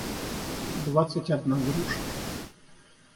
двадцать одна груша